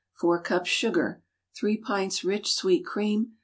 4 cups sugar. 3 pints rich sweet cream.